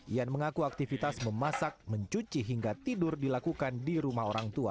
ian mengaku aktivitas memasak mencuci hingga tidur dilakukan di rumah orang tua